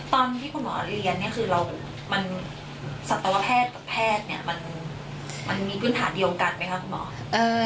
ตอนที่คุณหมอเรียนเนี่ยคือเราสัตวแพทย์กับแพทย์เนี่ยมันมีพื้นฐานเดียวกันไหมคะคุณหมอ